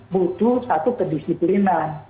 butuh satu kedisiplinan